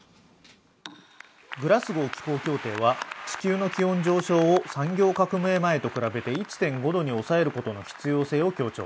グラスゴー気候協定は地球の気温上昇を産業革命前と比べて１．５度に抑えることの必要性を強調。